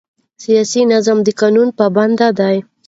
سیاسي نظام د قانون پابند دی